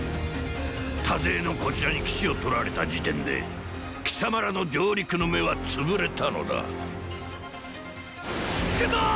多勢のこちらに岸をとられた時点で貴様らの上陸の芽はつぶれたのだ着くぞォ！